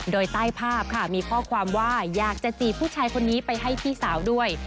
โดยใต้ภาพค่ะมีข้อความว่าอยากจะจีบผู้ชายคนนี้ไปให้พี่สาวด้วย